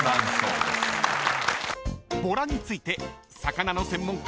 ［ボラについて魚の専門家